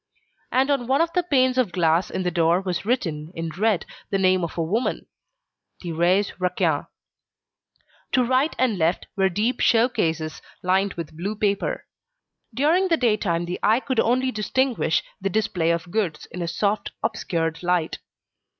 And on one of the panes of glass in the door was written, in red, the name of a woman: Thérèse Raquin. To right and left were deep show cases, lined with blue paper. During the daytime the eye could only distinguish the display of goods, in a soft, obscured light.